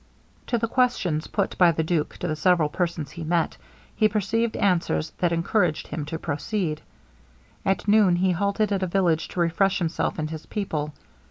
To the questions put by the duke to the several persons he met, he received answers that encouraged him to proceed. At noon he halted at a village to refresh himself and his people.